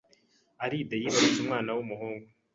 Alide yibarutse umwana w’umuhungu